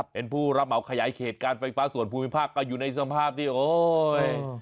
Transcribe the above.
เป็นผู้รับเหมาขยายเขตการไฟฟ้าส่วนภูมิภาคก็อยู่ในสภาพที่โอ๊ย